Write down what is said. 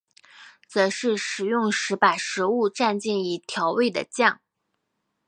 则是食用时把食物蘸进已调味的酱。